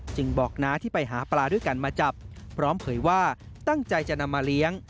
บอกน้าที่ไปหาปลาด้วยกันมาจับพร้อมเผยว่าตั้งใจจะนำมาเลี้ยง